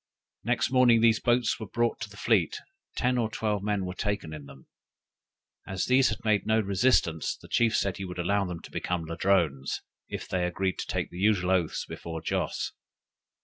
Next morning these boats were brought to the fleet; ten or twelve men were taken in them. As these had made no resistance, the chief said he would allow them to become Ladrones, if they agreed to take the usual oaths before Joss.